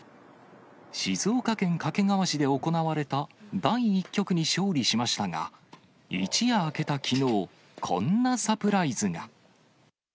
静岡県掛川市で行われた第１局に勝利しましたが、一夜明けたきのう、こんなサプライズが。